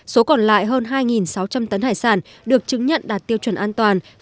số còn lại hơn hai sáu trăm linh tấn hải sản được chứng nhận đạt tiêu chuẩn an toàn